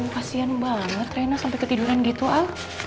oh kasihan banget reina sampai ketiduran gitu al